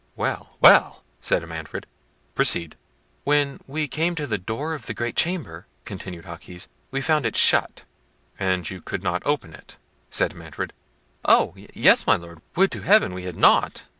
"Well, well!" said Manfred; "proceed." "When we came to the door of the great chamber," continued Jaquez, "we found it shut." "And could not you open it?" said Manfred. "Oh! yes, my Lord; would to Heaven we had not!"